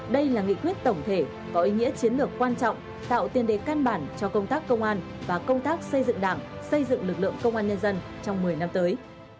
đây là nghị quyết tổng thể có ý nghĩa chiến lược quan trọng tạo tiên đề can bản cho công tác công an và công tác xây dựng đảng xây dựng lực lượng công an nhân dân trong một mươi năm tới